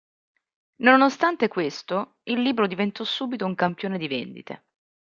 Nonostante questo il libro diventò subito un campione di vendite.